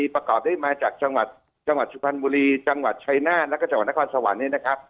ประกอบได้มาจากจังหวัดชุภัณฑ์บุรีจังหวัดชัยนาแล้วก็จังหวัดนครสวรรค์